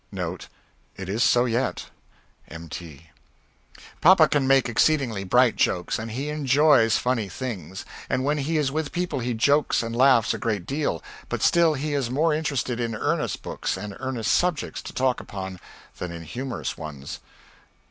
" Papa can make exceedingly bright jokes, and he enjoys funny things, and when he is with people he jokes and laughs a great deal, but still he is more interested in earnest books and earnest subjects to talk upon, than in humorous ones.